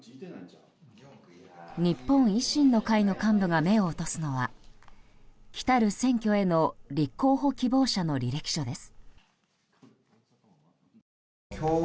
日本維新の会の幹部が目を落とすのは来たる選挙への立候補希望者の履歴書です。